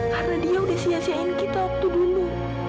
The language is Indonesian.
karena dia udah sia siain kita waktu dulu